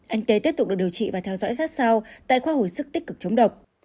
anh tế tiếp tục được điều trị và theo dõi sát sao tại khoa hồi sức tích cực chống độc